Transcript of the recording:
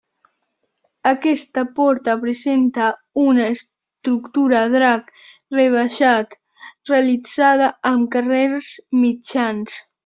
Aquesta porta presenta una estructura d'arc rebaixat realitzada amb carreus mitjans.